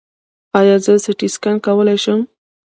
ایا زه سټي سکن کولی شم؟